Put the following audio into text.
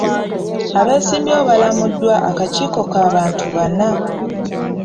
Abeesimbyewo balamuddwa akakiiko ka bantu bana.